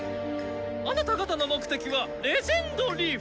あなた方の目的は「レジェンドリーフ」。